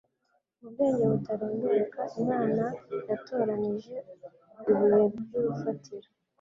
Mu bwenge butarondoreka, Imana yatoranije ibuye ry'urufatiro